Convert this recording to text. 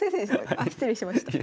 あ失礼しました。